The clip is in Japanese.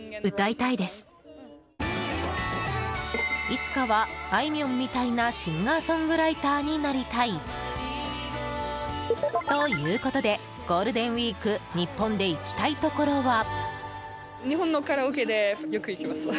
いつかは、あいみょんみたいなシンガーソングライターになりたい！ということでゴールデンウィーク日本で行きたいところは。